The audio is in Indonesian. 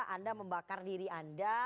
anda membakar diri anda